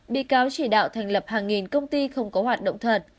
bị cáo chỉ đạo thành lập hàng nghìn công ty không có hoạt động thật